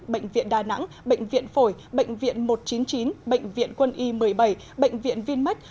bệnh viện đà nẵng bệnh viện phổi bệnh viện một trăm chín mươi chín bệnh viện quân y một mươi bảy bệnh viện vinmec